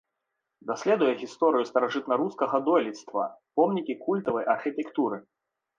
Даследуе гісторыю старажытнарускага дойлідства, помнікі культавай архітэктуры.